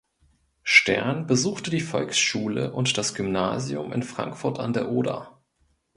Stern besuchte die Volksschule und das Gymnasium in Frankfurt an der Oder.